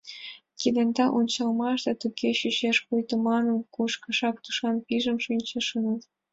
Кенета ончалмаште туге чучеш, пуйто мамык пун кашак тушан пижын шинчыныт.